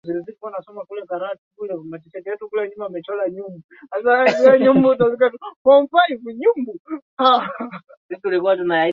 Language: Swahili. wasikilizaji wanapendelea kusikia kutoka kwa wageni waliyoalikwa